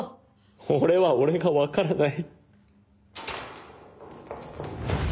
俺は俺が分からない。